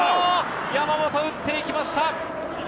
山本、打っていきました。